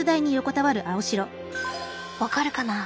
分かるかな？